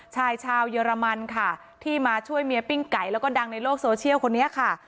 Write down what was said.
ชายชาวเยอรมันค่ะที่มาช่วยเมียปิ้งไก่แล้วก็ดังในโลกโซเชียลคนนี้ค่ะ